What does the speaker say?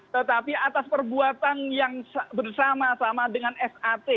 tetapi atas perbuatan yang bersama sama dengan sat